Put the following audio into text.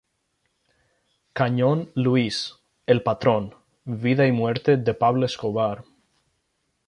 Cañón Luis; El patrón: vida y muerte de Pablo Escobar.